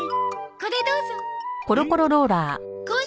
これどうぞ。えっ？